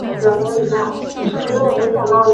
帕尔库。